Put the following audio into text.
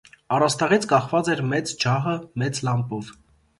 Առաստաղից կախված էր մեծ ջահը՝ մեծ լամպով: